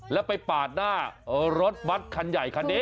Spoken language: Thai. แล้วไปปาดหน้ารถบัตรคันใหญ่คันนี้